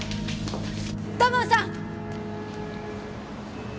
土門さん！